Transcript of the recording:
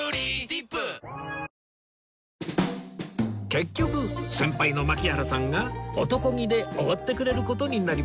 結局先輩の槙原さんがおとこ気でおごってくれる事になりました